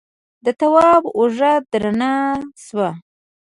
د تواب اوږه درنه شوه.